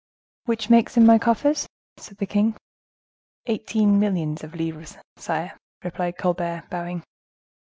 "Which makes in my coffers?" said the king. "Eighteen millions of livres, sire," replied Colbert, bowing.